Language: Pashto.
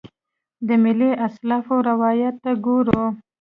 د ملي اسلافو روایت ته ګورو.